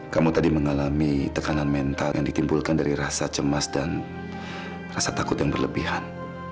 kamu tadi mengalami tekanan mental yang ditimbulkan dari rasa cemas dan rasa takut yang berlebihan